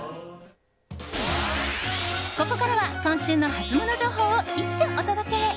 ここからは今週のハツモノ情報を一挙お届け。